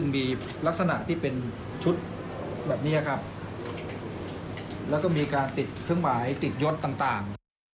มีลักษณะที่เป็นชุดแบบนี้ครับแล้วก็มีการติดเครื่องหมายติดยศต่าง